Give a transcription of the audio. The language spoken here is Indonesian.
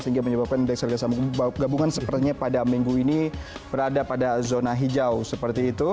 sehingga menyebabkan indeks harga gabungan sepertinya pada minggu ini berada pada zona hijau seperti itu